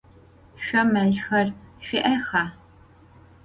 Şso melxer şsui'exa?